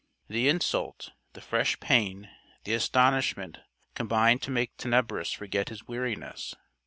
The insult, the fresh pain, the astonishment combined to make Tenebris forget his weariness.